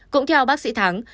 cũng theo bác sĩ thắng